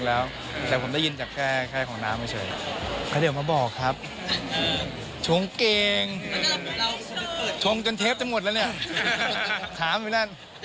ไม่มีอื่นไม่มีคนอื่น